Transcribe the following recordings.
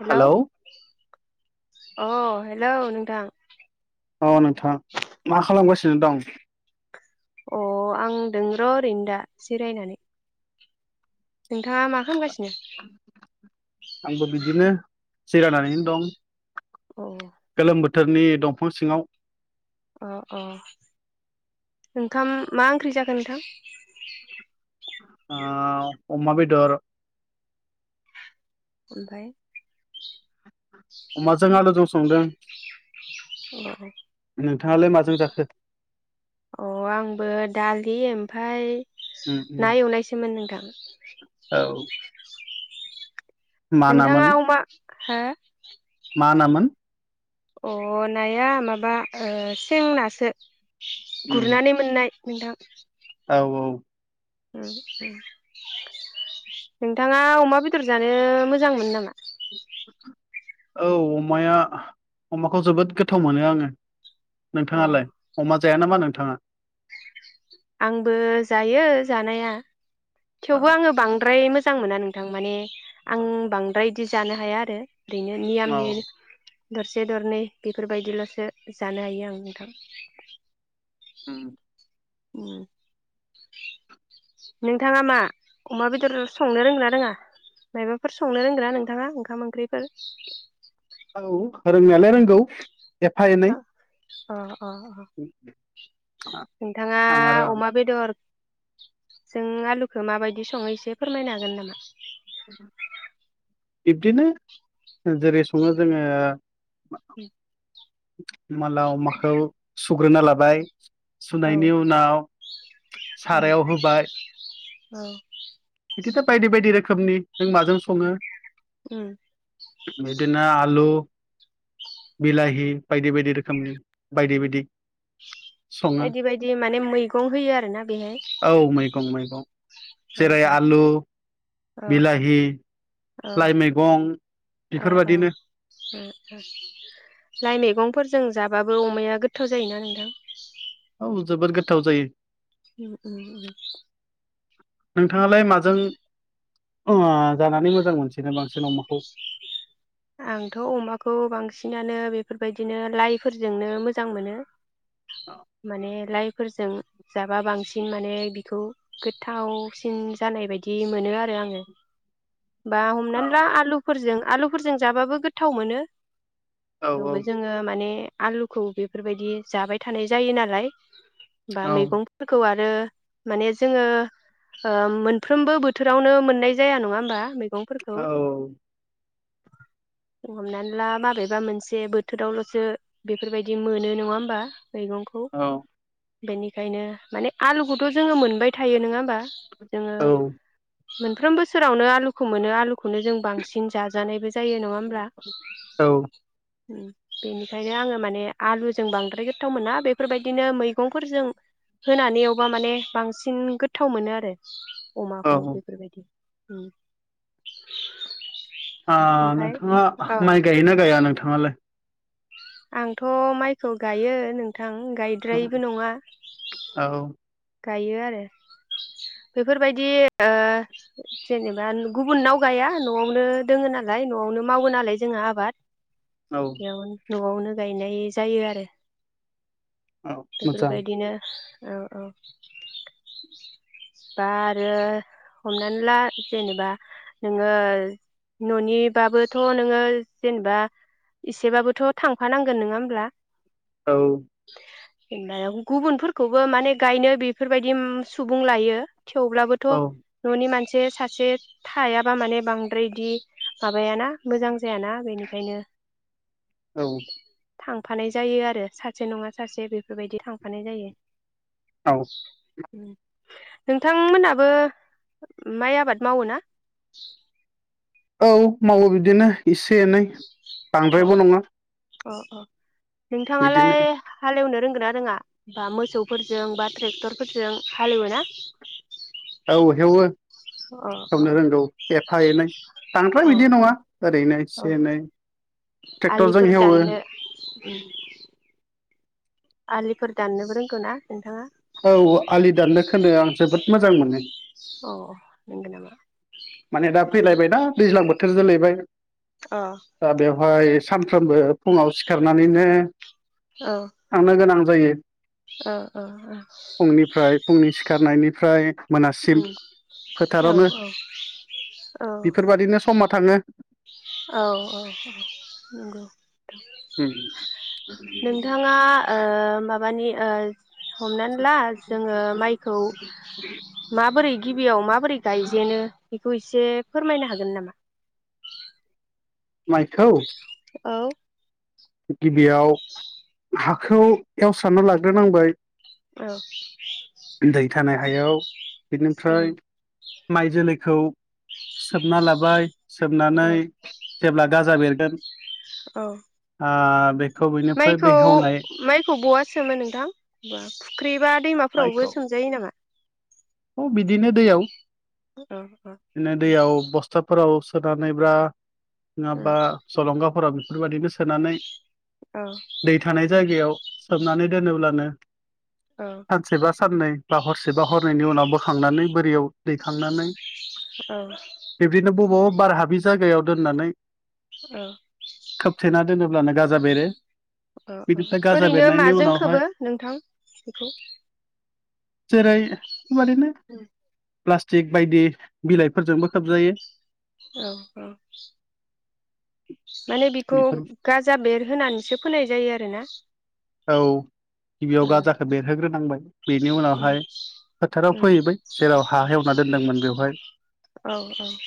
Hello hello अ hello नोंथां अ नोंथां मा खालामगा सिनो दं अ आं दों र' ओरैनो दा जिरायनानै नोंथाङा मा खालामगासिनो आंबो बिदिनो जिरायनानैनो दं अ गोलोम बो थोरनि दंफां सिङाव अ अ नोंथां मा ओंख्रि जाखो नोंथां आ अमा बेदर ओमफ्राय अमाजों आलुजों संदों। औ नोंथाङालाय माजों जाखो। अ आंबो दालि ओमफ्राय उम उम ना एवनायसोमोन नोंथां। औ मा नामोन नोंथाङा अमा हा मा नामोन। अ नाया माबा सें नासो। उम गुरनानै मोननाय। नोंथां औ औ नोंथाङा अमा बेदर जानो मोजां मोनो नामा? औ अमाया अमाखौ जोबोद गोथाव मोनो आङो। अ नोंथाङालाय अमा जाया नामा नोंथाङा? आंबो जायो जानाया। औ थेवबो आङो बांद्राय मोजां मोना नोंथां माने आं बांद्राय बिदि जानो हाया आरो ओरैनो नियम औ निय दरसे दरनै बेफोरबायदिल'सो जानो हायो आं नोंथां। उम उम नोंथाङा मा अमा बेदर संनो रोंगोना रोङा मायबाफोर संनो रोंग्रा नोंथाङा ओंखाम ओंख्रिफोर औ रोंनायालाय रोंगौ। एफा एनै अ अ अ नोंथाङा आं आरो अमा बेदर जों आलुखौ माबायदि सङो एसे फोरमायनो हागोन नामा? बिब्दिनो जेरै सङो जोङो। उम [inaudible] मालाव माखौ सुग्रोना लाबाय औ सुनायनि उनाव औ सारायाव होबाय। औ बिदिनो बायदि बायदि रोखोमनि नों माजों सङो। उम बिदिनो आलु बिलाहि बायदि बायदि रोखोमनि बायदि बायदि सङो बायदि बायदि माने मैगं होयो आरोना बेहाय औ मैगं मैगं अ जेरै अ आलु बिलाहि ओ लाइ मैगं ओ बेफोरबादिनो लाइ मैगं गंफोरजों जाबाबो अमाया गोथाव जायोना नोंथां औ जोबोद गोथाव जायो उम नोंथाङालाय माजों जानानै मोजां मोनसिनो बांसिन अमाखौ आंथ' अमाखौ बांसिनानो बेफोरबायदिनो लाइफोरजोंनो मोजां मोनो माने लाइफोरजों जाबा बांसिन माने बिखौ गोथावसिन जानाय बायदि मोनो आरो आङो बा औ हमनानै ला आलुफोरजों आलु गुफुरजों जाबाबो गोथाव मोनो थेवबो औ जोङो माने आलुखौ बेफोरबायदि जाबाय थानाय जायो नालाय बा औ मैगंफोरखौ आरो माने जोङो ओ मोनफ्रोमबो बोथोरावनो मोननाय जाया नङा होमबा मैगंफोरखौ औ हमनानै ला माबेबा मोनसे बोथोरावल'सो बेफोरबायदि मोनो नङा होमबा मैगंखौ बेनिखायनो माने आलुखौथ' जोङो मोनबाय थायो नङा होमबा जोङो मोनफ्रोम बोसोरावनो आलुखौ मोनो आलुखौनो जों बांसिन जाजो जानाय बे जायो नङा होमब्ला औ बेनिखायनो आङो माने आलुजों बांद्राय गोथाव मोना बेफोरबायदिनो मैगंफोरजों होनानै एबा माने बांसिन गोथाव मोनो आरो औ अमाखौ औ बेफोरबायदि उम ओ नोंथाङा माइ गायोना गाया नोंथाङाालाय आंथ' माइखौ गायो नोंथां थां औ गायद्रायिबो नङा औ गायो आरो बेफोरबायदि ओ जेन'बा गुबुननाव गाया न'आवनो दोङ नालाय न'आवनो मावो नालाय जोंहा आबाद औ वनो न'आवनो गायनाय जायो अरो मोजां बेफोरबायदिनो औ औ बा आरो हमनानै ला जेनेबा नोङो न'निबाबोथ' नोङो जेनेबा एसेबाबोथ' थांफानांगोन ननोङा होमब्ला औ गुबुनफोरखौबो माने गायनो बेफोरबायदि सुबुं लायो थेवब्लाबोथ' औ न'नि मानसि मोनसे सासे थायाबा माने बांद्रायदि माबायाना मोजां जायाना बेनिखायनो औ थांफानाय जायो आरो सासे नङा सासे बे बेबायदि थांफानाय जायो औ नोंथांमोनाबो माइ आबाद मावो ना औ मावो बिदिनो एसे एनै अ बांद्रायबो नङा अ अ बिदिनो नोंथाङालाय हालेवनो रों रोंङोना रोङा बा मोसौफोरजों बा ट्रेक्टर फोरजों हालेवोना? औ हेवो अ हेवनो रोंगौ एफा एनै बांद्राय अ बिदि अ नङा ओरैनो औ एसे एनै ट्रेक्टरजों आलिफोर हेवो दाननो आलिफोर दाननोबो रोंगौ ना नोंथाङा औ आलि दाननो खोनो आं जोबोद मोजां मोनो अ नोंगौ नामा माने दा फैलायबायना दैज्लां बोथोर जालाबाय अ दा बेवहाय सानफ्रोमबो फुङाव सिखारनानैनो औ थांनो गोनां जायो औ औ फुंनिफ्राय फुंनि सिखारनायनि ओमफ्राय औ औ औ बेफोरबायादिनो समा थाङो औ औ औ नंगौ नोंथाङा ओ माबानि ओ हमनानै ला जोङो माइखौ माबोरै गिबियाव माबोरै गायजेनो खौ एसे फोरमायनो हागोन नामा माइखौ औ गिबियाव हाखौ एवसारना लाग्रोनांबाय औ दै थानाय हायाव उम बेनिफ्राय माइ जोलैखौ सोबना लाबाय औ सोमनानै जेब्ला गाजा बेरगोन औ आ बे माइखौ हेवनाय माइखौ बहा सोमो नोंथां फुख्रि बा दैमाफोरावबो सोमजायो नामा? औ बिदिनो दैयाव औ बिदिनो उम दैयाव बस्टाफोराव [unintelligible] औ नङाबा जलंगाफोरा बेफोरबायदिनो सोनानै औ दै थानाय जायगायाव सोमनानै दोनोब्लानो औ सानसेबा साननै बा हर से बा हर नैनि उनाव बोखांनानै बोरियाव दैखांनानै औ बेबदिनो बबाव बार हाबि जायगायाव दोननानै औ खोबथेना दोनोब्लानो गाजा बेरो अ अ बिनिफ्राय गाजा ओरैनो बेरनायनि माजों उनावहाय खोबो नोंथां बेखौ जेरै बेबादिनो प्लास्टिक बायदि बिलाइफोरजोंबो खोबजायो औ औ माने बेखौ बेफोर गाजा बेर होनानैसो फोनाय जायो आरोना औ गिबियाव उम गाजाखौ बेरहोग्रोनांबाय बेनि उम उनावहाय फोथाराव उम फोहैबाय जेराव हा हेवना दोनदोंमोन बेवहाय औ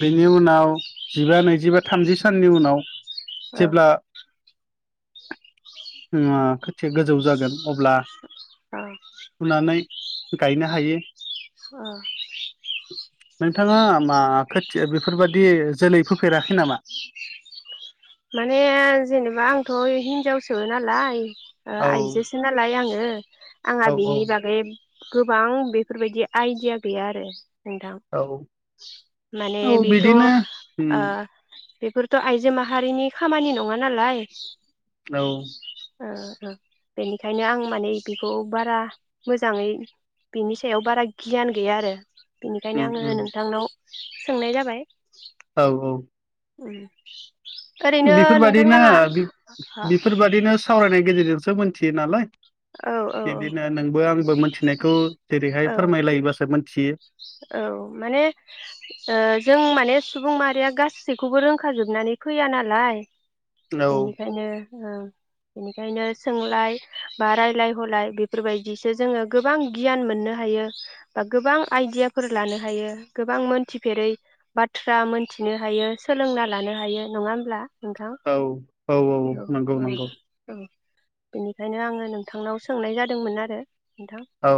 बेनि उनाव जिबा नैजिबा थामजि साननि उनाव औ जेब्ला अ एसे गोजौ जागोन अब्ला औ फुनानै गायनो हायो अ [unintelligible] नोंथाङा मा खोथिया बेफोरबादि जोलै फोफेराखै नामा? माने जेनेबा आंथ हिनजावसो नालाय। औ आइजोसो नालाय आङो। आंहा औ औ बिनि बागै गोबां बेफोरबायदि आइडिया गैया आरो। नोंथां औ माने औ बेथ ओ बिदिनो उम बेफोरथ आइजो माहा हारिनि खामानि नङा नालाय। औ ओ बेनिखायनो आं माने बेखौ बारा मोजाङै बिनि सायाव बारा गियान गैया आरो। बेनिखायनो उम उम आङो नोंथांनाव सोंनाय जाबाय। ओम बेफोरबायदिनो औ बेफोरबायदिनो सावरायनायनि गेजेरजों सोब मोनथियो नालाय। औ बिदिनो औ नोंबो आंबो मोनथि नायखौ औ औ माने ओ जों माने सुबुं माहारिया गासैखौबो रोंखाजोबनानै फैया नालाय। औ बेनिखायनो औ बेनिखायनो सोंलाय बा रायलाय हलाय बेफोरबायदिसो जोङो गोबां गियान मोन नो हायो बा गोबां आइडियाफोर लानो हायो गोबां मोनथिफेरै बाथ्रा मोनथिनो हायो सोलोंना लानो हायो नङा होमब्ला। नोंथां औ औ नंगौ औ नंगौ औ बेनिखायनो आङो नोंथांनाव सोंनाय जादोंमोन आरो। नोंथां औ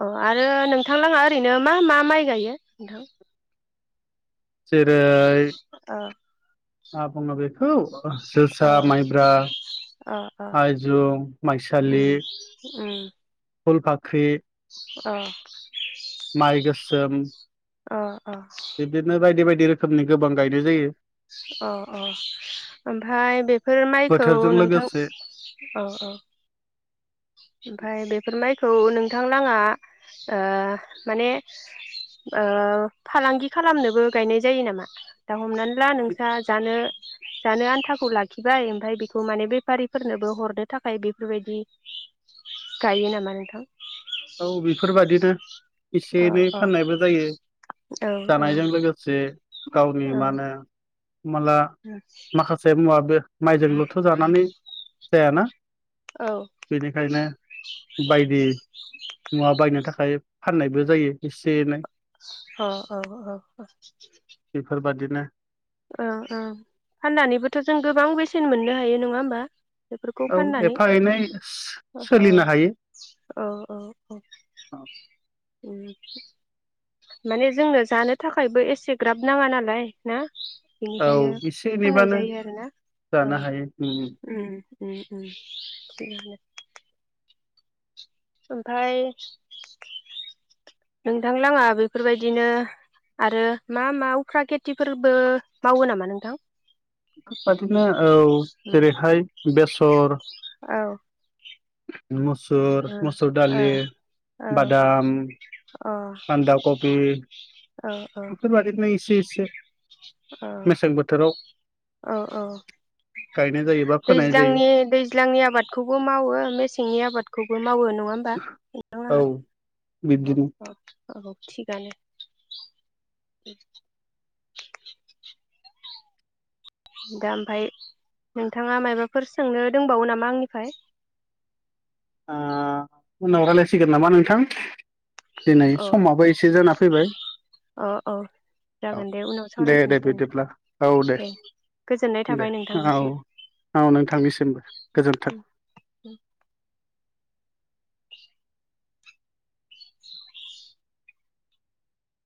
अ आरो नोंथां लाङा ओरैनो मा मा माइ गायो नोंथां? जेरै अ मा बुङो बेखौ जोसा अ माइब्रा अ अ आइजुं उम माइसालि उम फुलपाख्रि अ माइ गोसोम अ अ बिदिनो बायदि बाय दि रोखोमनि गोबां गायनाय जायो। अ अ ओमफ्राय बेफोर माइखौ बोथोरजों नोंथां लोगोसे औ औ ओमफ्राय बेफोर माइ खौ नोंथांलाङा ओ माने ओ फालांगि खालामनोबो गायनाय जायो नामा दा हमनानै ला नोंस्रा जानो जानो आन्थाखौ लाखिबाय ओमफ्राय बेखौ माने बेफारिफोरनोबो हरनो थाखाय बेफोरबायदि गायो नामा नोंथां औ बेफोरबायदिनो एसे अ एनै अ फाननायबो जायो औ जानायजों औ लोगोसे गावनि अ मा होनो हमना ला माखासे मुवाबो माइजोंल'थ' जानानै जायाना बेनिखायनो बायदि मुवा बायनो थाखाय फाननायबो जायो एसे एनै अ अ अ अ [inaudible] औ औ फाननानैबोथ' जों गोबां बेसेन मोननो हायो नङा होमबा बेफोरखौ औ फाननानै एफा एनै अ अ सोलिनो हायो अ अ अ उम माने जोंनो जानो थाखायबो एसे ग्राब नाङा नालाय ना औ बेनिखायनो एसे फाननाय एनैबानो जायो आरोना जानो हायो उ उ उ उ थिगानो ओमफ्राय नोंथां लाङा बेफोरबायदिनो आरो मा मा उफ्रा खेथिफोरबो मावो नामा नोंथां बेफोरबादिनो औ उम जेरैहाय बेसर औ [inaudible] मुसुर ओ ओ मुसुर औ दालि अ औ बादाम बानदाकबि अ अ अ मेसें बोथोराव अ अ गायनाय जायो बा फोनाय जायो दैज्लांनि दैज्लांनि आबादखौबो मावो मेसेंनि आबाद खौबो मावो नङा होमबा नोंथां लांहा औ अ बिब्दिनो अ औ थिगानो उ दा ओमफ्राय नोंथाङा मायबाफोर सोंनो दंबावो नामा आंनिफ्राय आ उनाव रायलायसिगोन नामा नोंथां दिनै अ समाबो एसे जाना फैबाय अ औ औ जागोन दे उनाव दे दे सावरायफिनसै नोंथां बिदिब्ला औ दे गोजोननाय दे थाबाय औ नोंथांनिसिम औ नोंथांनिसिमबो गोजोन्थों